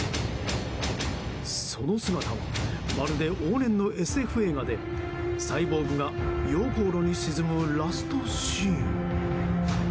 その姿はまるで往年のＳＦ映画でサイボーグが溶鉱炉に沈むラストシーン。